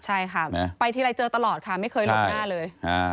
ใช่ค่ะไปทีไรเจอตลอดค่ะไม่เคยหลบหน้าเลย